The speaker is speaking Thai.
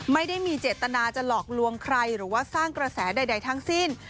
ไม่ได้มีเจตนาจะหลอกลวงใครหรือว่าสร้างกระแสใดทั้งสิ้น